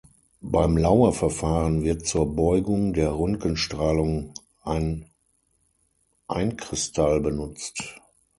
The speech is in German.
Beim Laue-Verfahren wird zur Beugung der Röntgenstrahlung ein Einkristall benutzt.